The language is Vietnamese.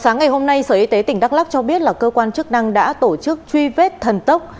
sáng ngày hôm nay sở y tế tỉnh đắk lắc cho biết là cơ quan chức năng đã tổ chức truy vết thần tốc